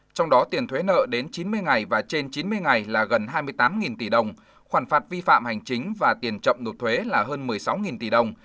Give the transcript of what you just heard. trong đó tiền thuế nợ đến chín mươi ngày và trên chín mươi ngày là gần hai mươi tám tỷ đồng khoản phạt vi phạm hành chính và tiền chậm nộp thuế là hơn một mươi sáu tỷ đồng